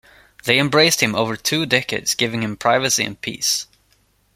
They embraced him over two decades giving him privacy and peace.